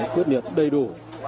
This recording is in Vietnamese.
quyết liệt đầy đủ